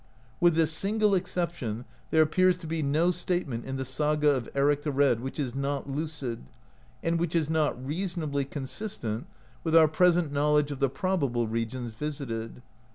With this single exception there appears to be no statement in the Saga of Eric the Red which is not lucid, and which is not reasonably con sistent with our present knowledge of the probable re gions visited.